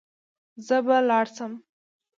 زه به لاړ سم.